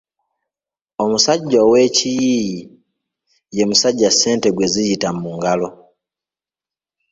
Omusajja ow’Ekiyiiyi ye musajja ssente gwe ziyita mu ngalo.